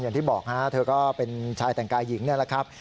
อย่างที่บอกฮะเธอก็เป็นชายแต่งกายหญิงนี่แหละครับ